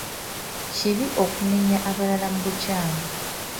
Kibi okunenya abalala mu bukyamu.